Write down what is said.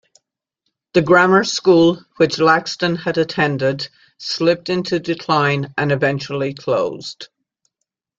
The grammar school which Laxton had attended slipped into decline and eventually closed.